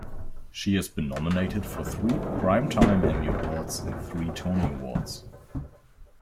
She has been nominated for three Primetime Emmy Awards and three Tony Awards.